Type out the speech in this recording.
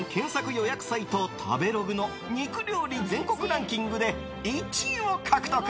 予約サイト食べログの肉料理全国ランキングで１位を獲得。